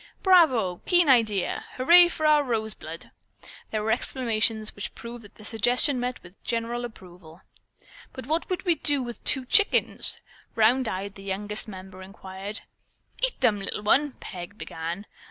"Bravo! Keen idea! Hurray for our Rosebud!" were the exclamations which proved that the suggestion met with general approval. "But what would we do with two chickens?" round eyed, the youngest member inquired. "Eat 'em, little one," Peg began.